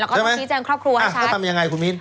แล้วก็ต้องชี้แจ้งครอบครัวให้ชัด